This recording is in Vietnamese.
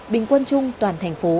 bình quân chung toàn thành phố